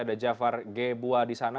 ada jafar gebua di sana